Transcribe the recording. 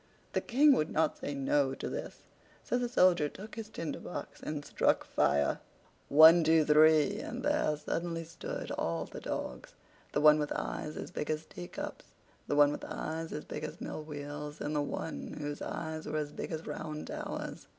The King would not say "No" to this; so the Soldier took his Tinder box and struck fire. One—two—three!—and there suddenly stood all the dogs—the one with eyes as big as teacups, the one with eyes as large as mill wheels, and the one whose eyes were as big as round towers.